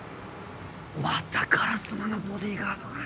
また烏丸のボディーガードが。